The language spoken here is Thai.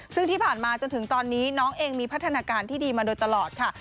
ซึ่งที่ผ่านมาจนถึงตอนนี้น้องเองมีพัฒนาการที่ดีมาโดยตลอดค่ะ